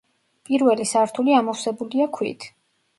პირველი სართული ამოვსებულია ქვით.